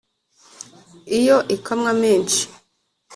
iyo ikamwa menshi